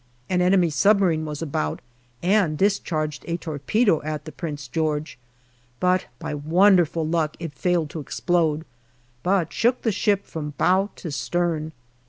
An enemy submarine was about and discharged a torpedo at the Prince George, but by wonderful luck it failed to explode, but shook the ship from bow to stern.